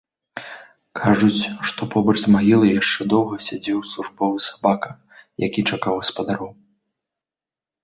Кажуць, што побач з магілай яшчэ доўга сядзеў службовы сабака, які чакаў гаспадароў.